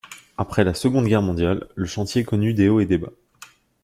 Après la Seconde Guerre mondiale, le chantier connut des hauts et des bas.